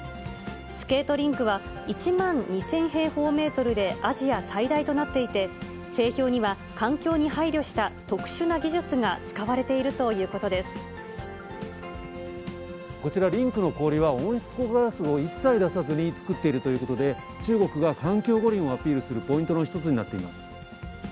スケートリンクは１万２０００平方メートルでアジア最大となっていて、製氷には環境に配慮した特殊な技術が使われているというここちら、リンクの氷は温室効果ガスを一切出さずに作っているということで、中国が環境五輪をアピールするポイントの一つになっています。